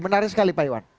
menarik sekali pak iwan